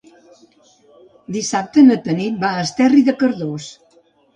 Dissabte na Tanit va a Esterri de Cardós.